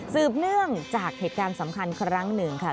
ืบเนื่องจากเหตุการณ์สำคัญครั้งหนึ่งค่ะ